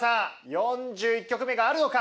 ４１曲目があるのか？